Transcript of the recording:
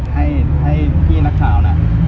ให้พี่นักข่าวนะ